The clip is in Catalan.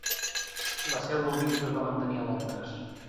La seu del bisbe es va mantenir a Londres.